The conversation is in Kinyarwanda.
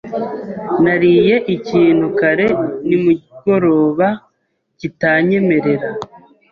Nariye ikintu kare nimugoroba kitanyemerera.